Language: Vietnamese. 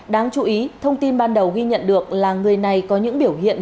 đáng chú ý thông tin ban đầu ghi nhận được là người này có những biểu hiện